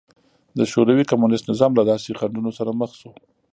د شوروي کمونېست نظام له داسې خنډونو سره مخ شو